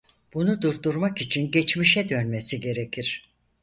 Bunu durdurmak için geçmişe dönmesi gerekir.